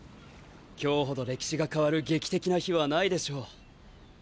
今日ほど歴史が変わる劇的な日はないでしょう。